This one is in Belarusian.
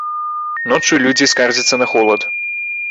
Ноччу людзі скардзяцца на холад.